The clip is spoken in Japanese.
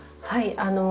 はい。